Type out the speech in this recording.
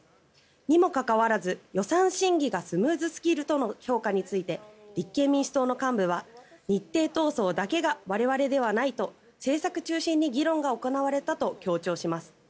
にもかかわらず、予算審議がスムーズすぎるとの評価について立憲民主党の幹部は日程闘争だけが我々ではないと政策中心に議論が行われたと強調します。